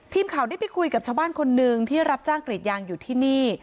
ทีมข่าวได้ไปคุยกับชาวบ้านคนหนึ่งที่รับจ้างกรีดยางอยู่ที่นี่